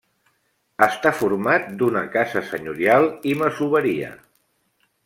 Està format d'una casa senyorial i masoveria.